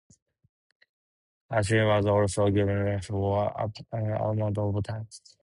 Cassie was also a gymnast for an unspecified amount of time.